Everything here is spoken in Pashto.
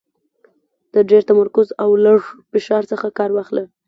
د ډېر تمرکز او لږ فشار څخه کار واخله .